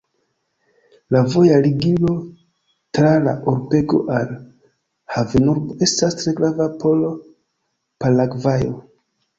La voja ligilo tra la urbego al havenurbo estas tre grava por Paragvajo.